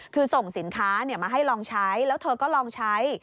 คือส่งสินค้ามาให้ลองใช้แล้วเธอก็ลองใช้